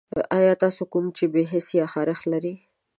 ایا تاسو کوم بې حسي یا خارښت لرئ؟